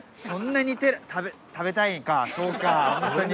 そんなに食べたいんかそうか。